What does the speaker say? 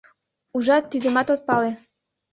— Ужат, тидымат от пале.